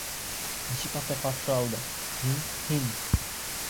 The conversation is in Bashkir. Нисек атай ҡаршы алды, һин, һин...